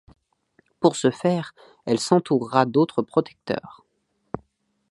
Pour ce faire, elle s’entourera d’autres protecteurs.